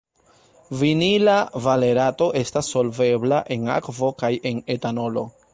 Vinila valerato estas solvebla en akvo kaj en etanolo.